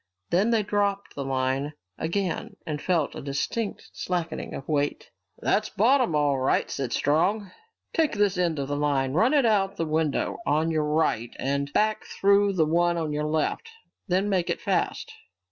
Then they dropped the line again and felt a distinct slackening of weight. "That's bottom all right," said Strong. "Take this end of the line, run it out of the window on your right, and back through the one on your left. Then make it fast."